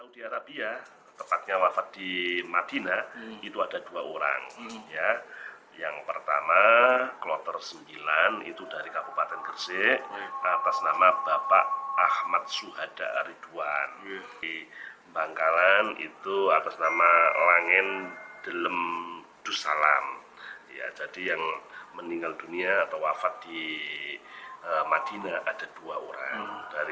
di madinah ada dua orang